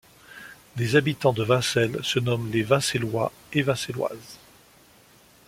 Les habitants de Vincelles se nomment les Vincellois et Vincelloises.